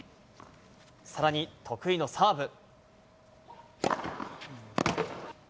さらに得意のサーブ。